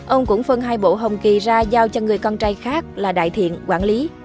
ông cũng phân hai bộ hồng kỳ ra giao cho người con trai khác là đại thiện quản lý